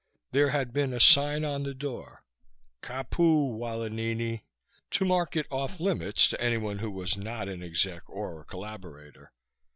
There had been a sign on the door: KAPU, WALIHINI! to mark it off limits to anyone not an exec or a collaborator.